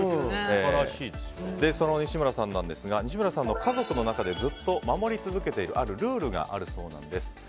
その西村さんですが西村さんの家族の中でずっと守り続けているあるルールがあるそうなんです。